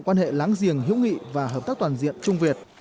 quan hệ láng giềng hữu nghị và hợp tác toàn diện trung việt